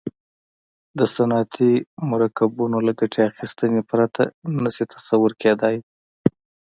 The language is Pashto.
د صنعتي مرکبونو له ګټې اخیستنې پرته نه شي تصور کیدای.